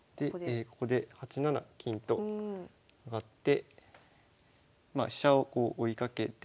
ここで８七金と上がって飛車をこう追いかけて。